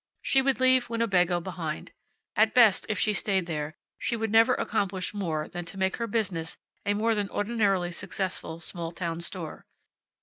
She would leave Winnebago behind. At best, if she stayed there, she could never accomplish more than to make her business a more than ordinarily successful small town store.